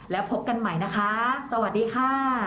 แล้วพบกันใหม่นะคะสวัสดีค่ะ